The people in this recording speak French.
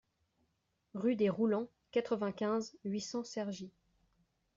Rue des Roulants, quatre-vingt-quinze, huit cents Cergy